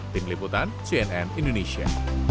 tim liputan cnn indonesia